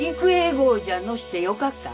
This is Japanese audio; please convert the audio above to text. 号じゃのしてよかっか？